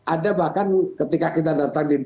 ada bahkan ketika kita datang di